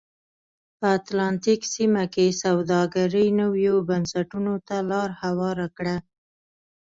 په اتلانتیک سیمه کې سوداګرۍ نویو بنسټونو ته لار هواره کړه.